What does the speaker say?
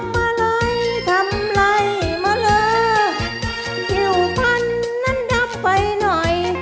มาไล่ทำไล่มาเลยผิวพันธุ์นั้นดับไฟหน่อย